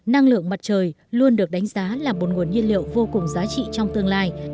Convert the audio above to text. năng lượng mặt trời luôn được đánh giá là một nguồn nhiên liệu vô cùng giá trị trong tương lai